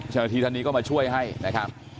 เจ้าหน้าที่ท่านนี้ก็มาช่วยให้นะครับ